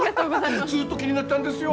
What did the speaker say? ずっと気になってだんですよ。